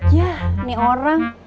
ya ini orang